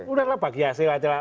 udah lah bagi hasil aja lah